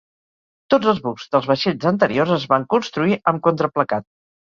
Tots els bucs dels vaixells anteriors es van construir amb contraplacat.